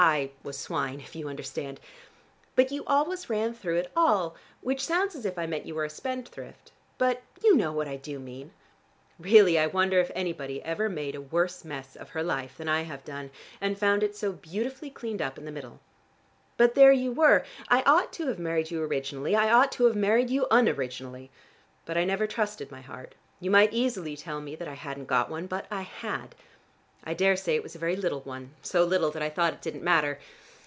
I was swine, if you understand. But you always ran through it all, which sounds as if I meant you were a spendthrift, but you know what I do mean. Really I wonder if anybody ever made a worse mess of her life than I have done, and found it so beautifully cleaned up in the middle. But there you were I ought to have married you originally: I ought to have married you unoriginally. But I never trusted my heart. You might easily tell me that I hadn't got one, but I had. I daresay it was a very little one, so little that I thought it didn't matter.